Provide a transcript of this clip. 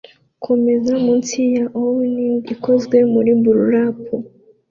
kumeza munsi ya awning ikozwe muri burlap